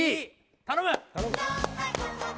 頼む！